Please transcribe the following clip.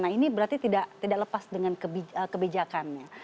nah ini berarti tidak lepas dengan kebijakannya